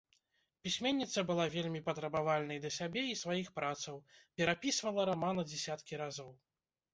Пісьменніца была вельмі патрабавальнай да сябе і сваіх працаў, перапісвала рамана дзесяткі разоў.